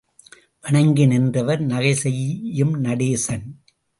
வணங்கி நின்றவர், நகை செய்யும் நடேசன்.